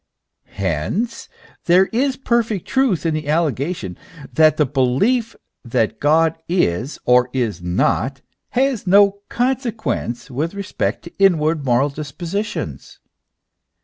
Hence there is perfect truth in the allegation, that the belief that God is or is not has no consequence with respect to inward moral dispositions.